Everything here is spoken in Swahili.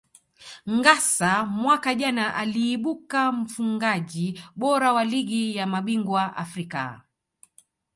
Ngassa mwaka jana aliibuka mfungaji bora wa Ligi ya mabingwa Afrika